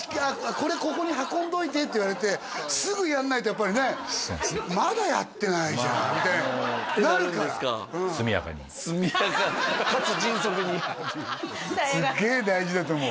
「これここに運んどいて」って言われてすぐやんないとやっぱりねってなるから速やかかつ迅速にすっげえ大事だと思う